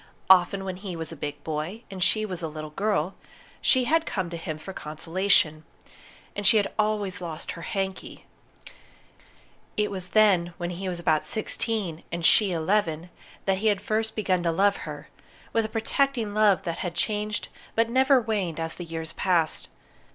Often, when he was a big boy and she was a little girl, she had come to him for consolation. And she had always lost her "hanky!" It was then, when he was about sixteen, and she eleven, that he had first begun to love her, with a protecting love that had changed but never waned as the years passed.